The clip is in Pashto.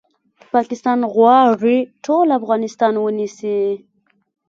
پاکستان غواړي ټول افغانستان ونیسي